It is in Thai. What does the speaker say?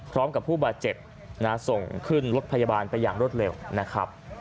พร้อมกับผู้บาดเจ็บส่งขึ้นรถพยาบาลไปอย่างรวดเร็วนะครับ